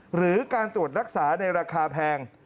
หรือการตรวจรักษาในราคาแพง